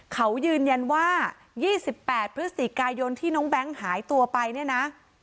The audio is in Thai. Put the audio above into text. เขายืนยันว่า๒๘พฤศจิกายนที่น้องแบงค์หายตัวไปเนี่ยนะ